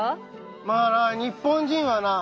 まあな日本人はな